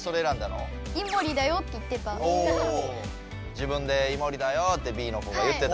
自分でイモリだよってＢの子が言ってた。